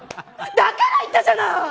だからいったじゃない。